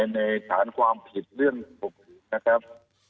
ในฐานความผิดเรื่องของผู้ถือนะครับ